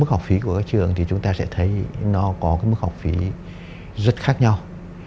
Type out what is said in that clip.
mức học phí của các trường thì chúng ta sẽ thấy nó có mức học phí rất khác nhau